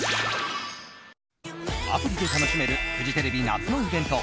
アプリで楽しめるフジテレビ、夏のイベント